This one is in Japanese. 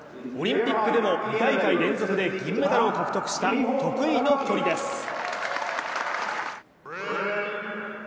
オリンピックでも２大会連続で銀メダルを獲得した得意の距離です。